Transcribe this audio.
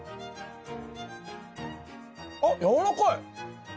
あっやわらかい！